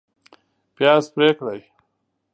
پیاز پرې کړئ